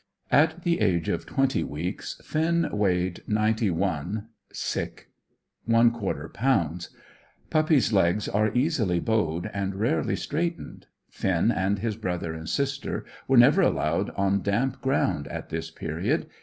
At the age of twenty weeks Finn weighed 91 1/4 lbs. Puppies' legs are easily bowed and rarely straightened. Finn and his brother and sisters were never allowed on damp ground at this period.